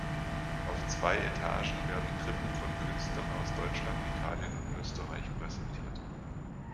Auf zwei Etagen werden Krippen von Künstlern aus Deutschland, Italien und Österreich präsentiert.